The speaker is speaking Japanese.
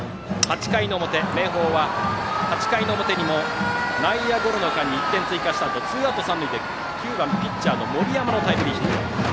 明豊は８回の表も内野ゴロの間に１点追加のあとツーアウト、三塁で９番、ピッチャーの森山のタイムリーヒット。